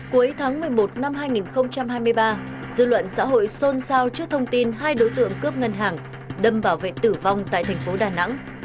cuối tháng một mươi một năm hai nghìn hai mươi ba dư luận xã hội xôn xao trước thông tin hai đối tượng cướp ngân hàng đâm bảo vệ tử vong tại thành phố đà nẵng